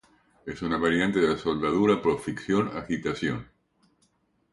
Es una variante de la soldadura por fricción-agitación.